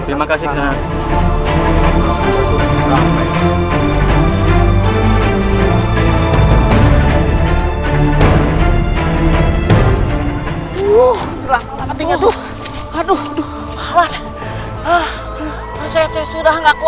terima kasih kisanak